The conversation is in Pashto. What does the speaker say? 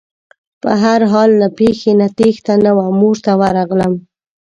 په هر حال له پېښې نه تېښته نه وه مور ته ورغلم.